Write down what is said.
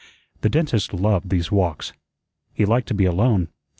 The dentist loved these walks. He liked to be alone.